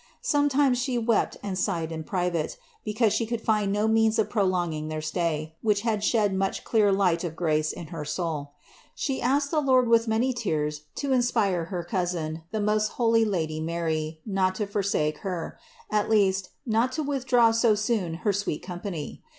Sometimes She wept and sighed in private, because she could find no means of prolonging their stay, which had shed much clear light of grace in her soul. She asked the Lord with many tears to inspire her Cousin, the most holy Lady Mary, not to forsake her ; at least, not to withdraw so soon her sweet company.